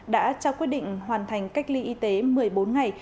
đã trao quyết định hoàn thành cách ly y tế một mươi bốn ngày